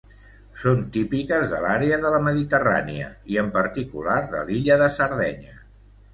Són típiques de l'àrea de la Mediterrània i, en particular, de l'illa de Sardenya.